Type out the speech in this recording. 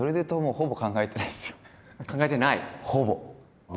ほぼ。